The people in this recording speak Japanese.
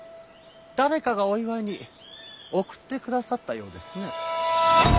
誰かがお祝いに贈ってくださったようですね。